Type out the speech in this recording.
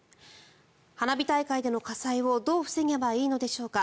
花火大会での火災をどう防げばいいのでしょうか。